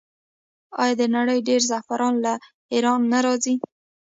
آیا د نړۍ ډیری زعفران له ایران نه راځي؟